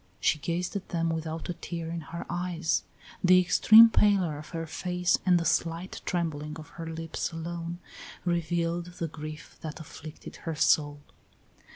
She gazed at them without a tear in her eyes. The extreme pallor of her face and the slight trembling of her lips alone revealed the grief that afflicted her soul.